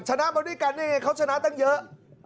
มาด้วยกันได้ไงเขาชนะตั้งเยอะ